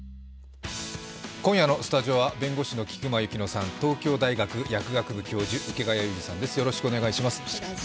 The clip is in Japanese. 今夜のスタジオは弁護士の菊間千乃さん、東京大学薬学部教授、池谷裕二さんです。